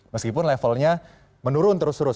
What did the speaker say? meskipun levelnya menurun terus terus